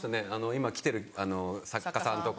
今きてる作家さんとか。